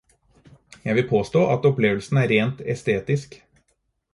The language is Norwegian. Jeg vil påstå at opplevelsen er rent estetisk.